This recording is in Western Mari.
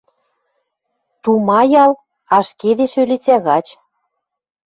Тумаял ашкедеш ӧлицӓ гач.